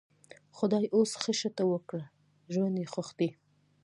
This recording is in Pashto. خدای اوس ښه شته ورکړ؛ ژوند یې خوښ دی.